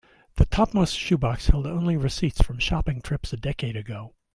The topmost shoe box held only receipts from shopping trips a decade ago.